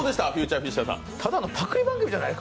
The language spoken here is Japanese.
ただのパクリ番組じゃないか。